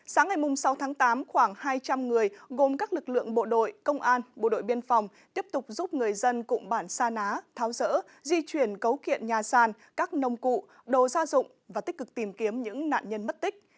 sáng ngày sáu tháng tám khoảng hai trăm linh người gồm các lực lượng bộ đội công an bộ đội biên phòng tiếp tục giúp người dân cụm bản sa ná tháo rỡ di chuyển cấu kiện nhà sàn các nông cụ đồ gia dụng và tích cực tìm kiếm những nạn nhân mất tích